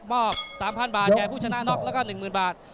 ๓๐๐บาทแก่ผู้ชนะน็อกแล้วก็๑๐๐๐บาท